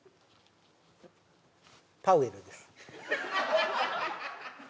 パウエルです